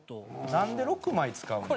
なんで６枚使うの？